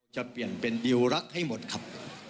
จะเปลี่ยนเป็นดิวรักให้หมดครับ